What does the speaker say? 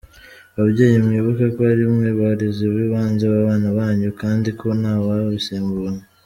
Babyeyi, mwibuke ko ari mwe barezi b’ibanze b’abana banyu kandi ko ntawabasimbura.